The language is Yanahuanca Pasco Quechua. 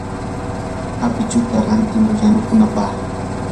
apichuta rantimuy yanukunapaq.